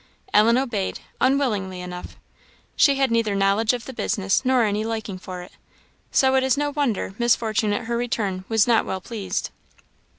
Ellen obeyed, unwillingly enough. She had neither knowledge of the business nor any liking for it; so it is no wonder Miss Fortune at her return was not well pleased.